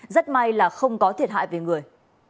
rất may là không có thiệt hại về người